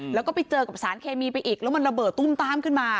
แล้วก็ไปเจอกับสารเคมีไปอีกแล้วมันระเบิดตุ้มต้ามขึ้นมา